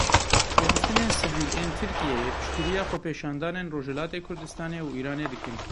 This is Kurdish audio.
Rêxistinên sivîl ên Tirkiyeyê piştgiriya xwepêşandanên Rojhilatê Kurdistanê û Îranê dikin.